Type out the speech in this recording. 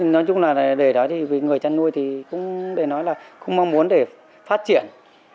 nói chung là để đó thì người chăn nuôi thì cũng để nói là cũng mong muốn để phát triển